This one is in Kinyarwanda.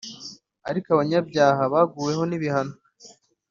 Ariko abanyabyaha baguweho n’ibihano,